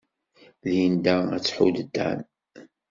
Linda ad tḥudd Dan.